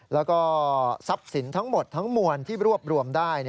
แล้วก็ทั้งหมวนที่รวบรวมได้